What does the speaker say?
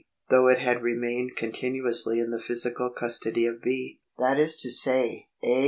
though it had remained continuously in the physical custody of B. That is to say, A.